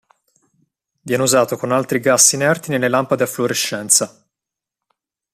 Viene usato con altri gas inerti nelle lampade a fluorescenza.